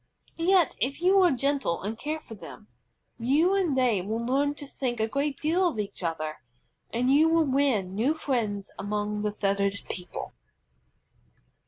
Yet if you are gentle and care for them, you and they will learn to think a great deal of each other, and you will win new friends among the feathered people.